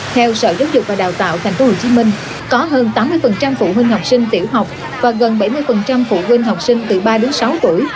theo sở giáo dục và đào tạo tp hcm có hơn tám mươi phụ huynh học sinh tiểu học và gần bảy mươi phụ huynh học sinh từ ba đến sáu tuổi